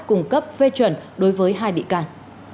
cung cấp phê chuẩn đối với hai bị can